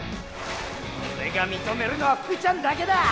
オレが認めるのは福ちゃんだけだ！